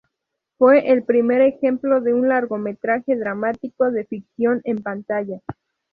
Fue el primer ejemplo de un largometraje dramático de ficción en pantalla.